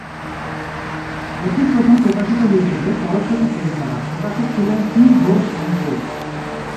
এটি প্রথম প্রকাশিত হয়েছিল সরস্বতী প্রেস দ্বারা, প্রকাশক ছিলেন পি ঘোষ অ্যান্ড কো।